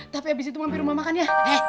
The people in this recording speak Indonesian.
tapi abis itu mampir rumah makan ya